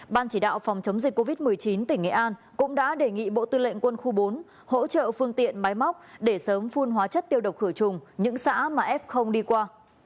ban chỉ đạo phòng chống dịch covid một mươi chín tỉnh nghệ an cũng đã đề nghị bộ tư lệnh quân khu bốn hỗ trợ phương tiện máy móc để sớm phun hóa chất tiêu độc khử trùng những xã mà f đi qua